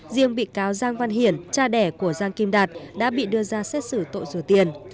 riêng bị cáo giang văn hiển cha đẻ của giang kim đạt đã bị đưa ra xét xử tội rửa tiền